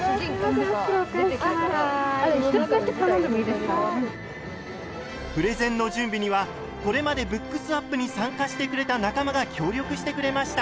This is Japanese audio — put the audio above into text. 袋お返ししますプレゼンの準備にはこれまでＢｏｏｋｓｗａｐに参加してくれた仲間が協力してくれました。